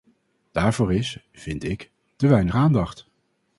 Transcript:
Daarvoor is - vind ik - te weinig aandacht.